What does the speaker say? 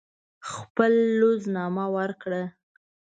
خپله لوز نامه ورکړه.